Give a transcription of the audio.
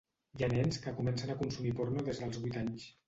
Hi ha nens que comencen a consumir porno des dels vuit anys.